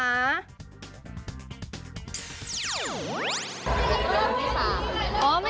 มือที่๓อย่างนี้